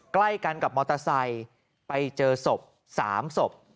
ใกล้กันกับมอเตอร์ไซค์ไปเจอศพ๓ศพ